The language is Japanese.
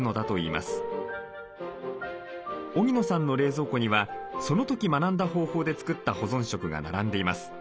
荻野さんの冷蔵庫にはその時学んだ方法で作った保存食が並んでいます。